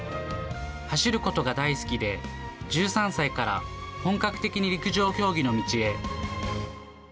走ることが大好きで、１３歳から本格的に陸上競技の道へ。